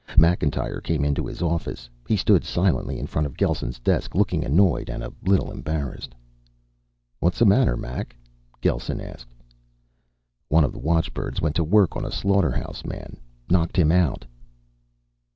Macintyre came into his office. He stood silently in front of Gelsen's desk, looking annoyed and a little embarrassed. "What's the matter, Mac?" Gelsen asked. "One of the watchbirds went to work on a slaughterhouse man. Knocked him out."